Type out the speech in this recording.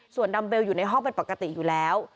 ส่วนดัมเบลอยู่ในห้องเป็นปกติอยู่แล้ว